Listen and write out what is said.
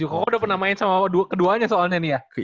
oh udah pernah main sama keduanya soalnya nih ya